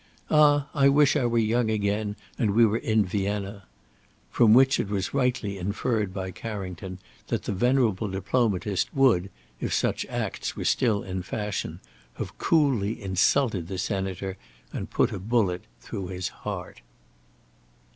Ah! I wish I were young again and we were in Vienna!" From which it was rightly inferred by Carrington that the venerable diplomatist would, if such acts were still in fashion, have coolly insulted the Senator, and put a bullet through his heart.